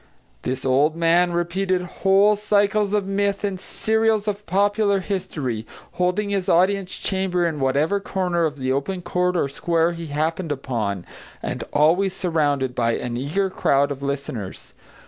This old man repeated whole cycles of myth and serials of popular history, holding his audience chamber in whatever corner of the open court or square he happened upon, and always surrounded by an eager crowd of listeners.